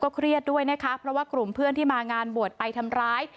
เพราะกลุ่มเพื่อนที่มางานบวชไปทำร้าย